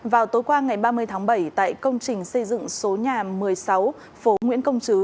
vào tối qua ngày ba mươi tháng bảy tại công trình xây dựng số nhà một mươi sáu phố nguyễn công chứ